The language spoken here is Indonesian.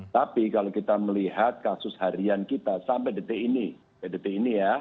tapi kalau kita melihat kasus harian kita sampai detik ini ya